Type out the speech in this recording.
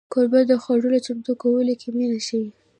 کوربه د خوړو چمتو کولو کې مینه ښيي.